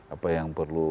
apa yang perlu